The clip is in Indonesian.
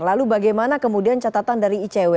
lalu bagaimana kemudian catatan dari icw